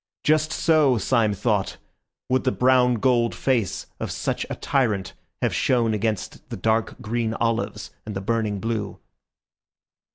Just so, Syme thought, would the brown gold face of such a tyrant have shown against the dark green olives and the burning blue.